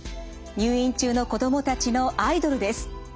入院中の子供たちのアイドルです。